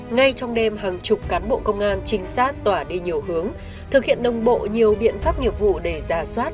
ngay trong đêm hàng chục cán bộ công an trinh sát tỏa đi nhiều hướng thực hiện đồng bộ nhiều biện pháp nghiệp vụ để giả soát